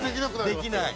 できない。